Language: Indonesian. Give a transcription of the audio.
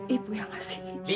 ibu yang ngasih izin